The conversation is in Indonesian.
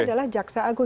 adalah jaksa agung